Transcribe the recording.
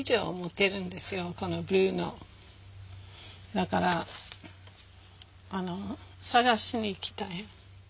だから探しに行きたい。